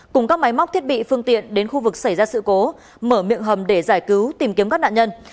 cùng các máy móc thiết bị phương tiện đến khu vực xảy ra sự cố mở miệng hầm để giải cứu tìm kiếm các nạn nhân